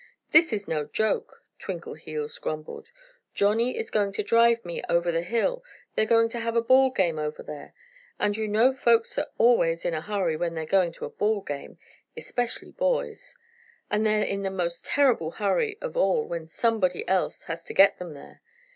"This is no joke," Twinkleheels grumbled. "Johnnie is going to drive me over the hill. They're going to have a ball game over there. And you know folks are always in a hurry when they're going to a ball game especially boys. And they're in the most terrible hurry of all when somebody else has to get them there.